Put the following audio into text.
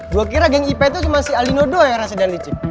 gue kira geng ipa itu cuma si ali nodo yang rasain dan licik